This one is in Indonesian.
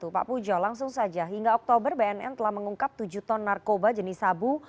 pak pujo langsung saja hingga oktober bnn telah mengungkap tujuh ton narkoba jenis sabu